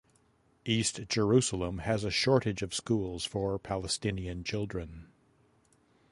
East Jerusalem has a shortage of schools for Palestinian children.